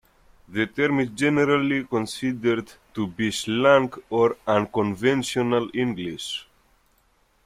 The term is generally considered to be slang or unconventional English.